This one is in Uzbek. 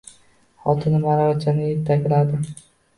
Xotinim aravachani etakladi